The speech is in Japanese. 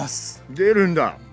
出るんだ！